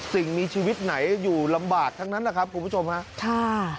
สิ่งมีชีวิตไหนอยู่ลำบากทั้งนั้นนะครับคุณผู้ชมฮะค่ะ